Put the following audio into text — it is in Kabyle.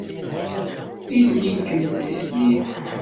Ili-kem d tislit.